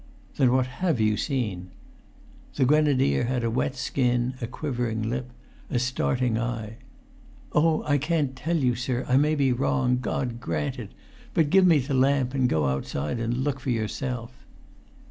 "Then what have you seen?" The grenadier had a wet skin, a quivering lip, a starting eye. [Pg 391]"Oh, I can't tell you, sir! I may be wrong. God grant it! But give me the lamp, and go outside and look for yourself!"